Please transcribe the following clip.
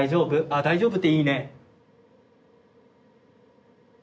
あ「大丈夫」っていいね。